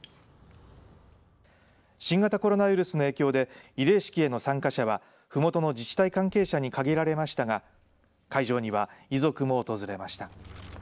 新型コロナウイルスの影響で慰霊式への参加者はふもとの自治体関係者にかぎられましたが会場には遺族も訪れました。